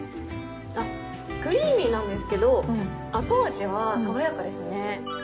あっクリーミーなんですけど後味は爽やかですね。